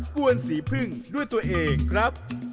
กวนสีพึ่งด้วยตัวเองครับ